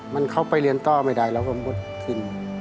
มันเข้าไปเรียนต่อไม่ได้แล้วผมหมดสิ้น